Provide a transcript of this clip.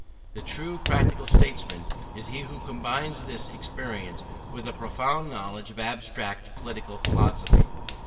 The true practical statesman is he who combines this experience with a profound knowledge of abstract political philosophy.